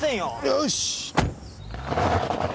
よし。